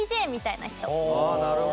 なるほど。